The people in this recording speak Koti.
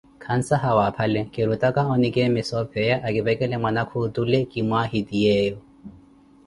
Kansahau aphale, kirutaka onikeemesa opheya akivekele mwanakhu otule ki mwaahitiyeeyo.